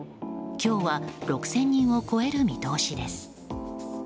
今日は６０００人を超える見通しです。